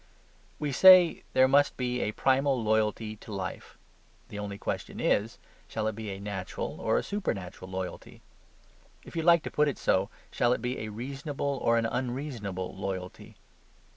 We say there must be a primal loyalty to life: the only question is, shall it be a natural or a supernatural loyalty? If you like to put it so, shall it be a reasonable or an unreasonable loyalty?